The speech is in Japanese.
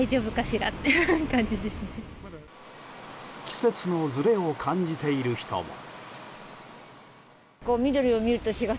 季節のずれを感じている人も。